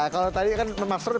kalau tadi kan mas roy